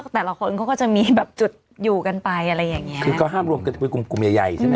แต่ละคนก็จะมีแบบจุดอยู่กันไปคือเขาห้ามรวมกันไปกลุ่มด้วย